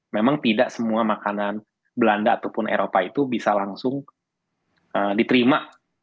memang tidak semua makanan belanda ataupun eropa itu bisa langsung diterima